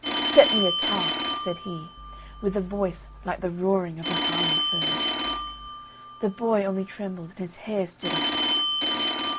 "Set me a task!" said he, with a voice like the roaring of an iron furnace. The boy only trembled, and his hair stood up.